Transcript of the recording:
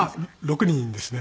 「６人」ですね。